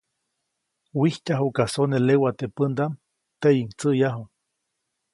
Wijtyajuʼka sone lewa teʼ pändaʼm, teʼyiʼuŋ tsäʼyäju.